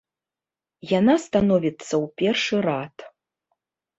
Яна становіцца ў першы рад.